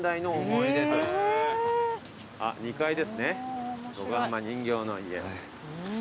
あっ２階ですね横浜人形の家。